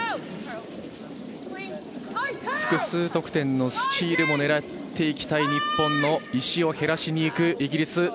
複数得点のスチールを狙っていきたい日本の石を減らしに行くイギリス。